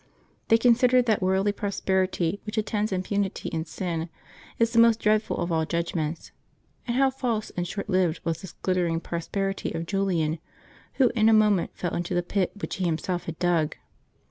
They considered that worldly prosperity which attends impunity in sin is the most dreadful of all judgments ; and how false and short lived was this glitter ing prosperity of Julian, who in a moment fell into the pit which he himself had dug!